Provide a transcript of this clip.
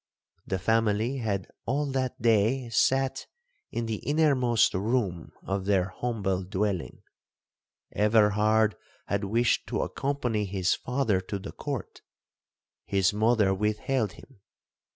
'The family had all that day sat in the innermost room of their humble dwelling. Everhard had wished to accompany his father to the court,—his mother withheld him.